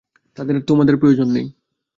তাদের আর তোমার প্রয়োজন নেই।